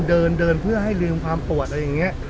เดินเดินเพื่อให้ลืมความปวดอะไรอย่างนี้